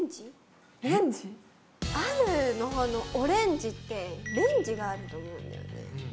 「ある」のほうの「オレンジ」って「レンジ」があると思うんだよね。